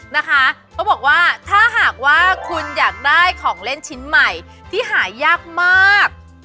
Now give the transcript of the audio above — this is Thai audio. นะคะเขาบอกว่าถ้าหากว่าคุณอยากได้ของเล่นชิ้นใหม่ที่หายากมาก